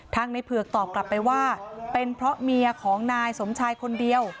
ทางในเผือกตอบกลับไปว่าเป็นเพราะเมียของนายสมชายคนเดียว